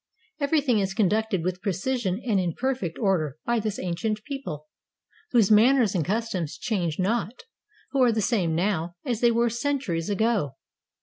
Everything is conducted with precision and in perfect order by this ancient people, whose manners and cus toms change not, who are the same now as they were centuries ago.